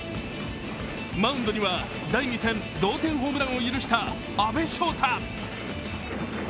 マウンドには第２戦、同点ホームランを許した阿部翔太。